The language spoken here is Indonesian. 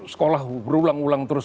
sekolah berulang ulang terus